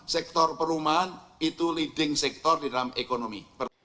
sektor perumahan itu leading sektor di dalam ekonomi